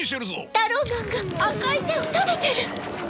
タローマンが赤い手を食べてる！？